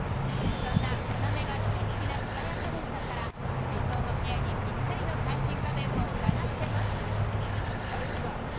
そんな要が大好きな蔦屋家電さんから理想の部屋にピッタリの最新家電を伺ってます！